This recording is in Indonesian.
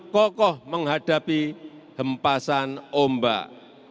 kokoh menghadapi hempasan ombak